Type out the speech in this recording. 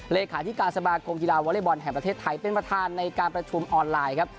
เลขาธิการสมาคมกีฬาวอเล็กบอลแห่งประเทศไทยเป็นประธานในการประชุมออนไลน์ครับ